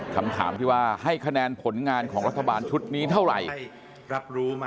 คำถามที่ว่าให้คะแนนผลงานของรัฐบาลชุดนี้เท่าไหร่รับรู้ไหม